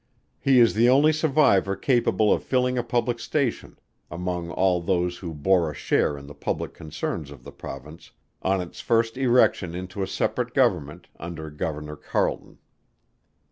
He is the only survivor capable of filling a public station among all those who bore a share in the public concerns of the Province on its first erection into a separate Government under Governor CARLETON.